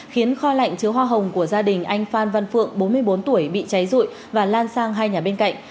khiến kho lạnh chứa hoa hồng của gia đình anh phan văn phượng bốn mươi bốn tuổi bị cháy rụi và lan sang hai nhà bên cạnh